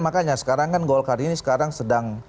makanya sekarang kan golkar ini sekarang sedang